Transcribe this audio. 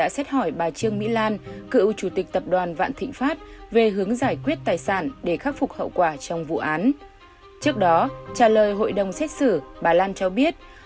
xin chào và hẹn gặp lại